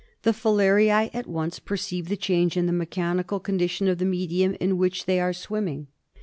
The fiiarise at once perceive the change in the mechanical condition of the medium in which they are swimming.